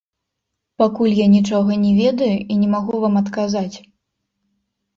Пакуль я нічога не ведаю і не магу вам адказаць.